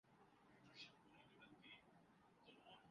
آپ کون